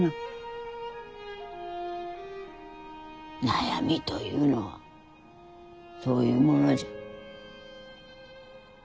悩みというのはそういうものじゃ。